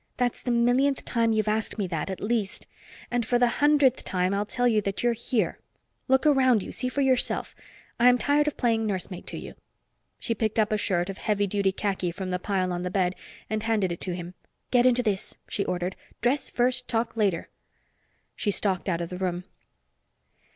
That's the millionth time you've asked me that, at least. And for the hundredth time, I'll tell you that you're here. Look around you; see for yourself. I'm tired of playing nursemaid to you." She picked up a shirt of heavy duty khaki from the pile on the bed and handed it to him. "Get into this," she ordered. "Dress first, talk later." She stalked out of the room.